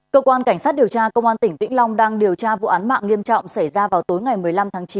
cơ quan cảnh sát điều tra công an tỉnh vĩnh long đang điều tra vụ án mạng nghiêm trọng xảy ra vào tối ngày một mươi năm tháng chín